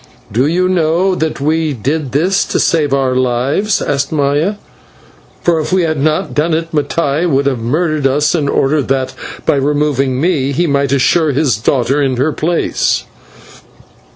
"Do you know that we did this to save our lives," asked Maya, "for if we had not done it, Mattai would have murdered us in order that, by removing me, he might assure his daughter in her place?"